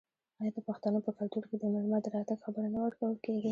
آیا د پښتنو په کلتور کې د میلمه د راتګ خبر نه ورکول کیږي؟